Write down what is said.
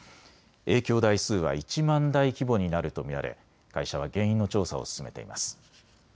影響台数は１万台規模になると見られ会社は原因の調査を進めています。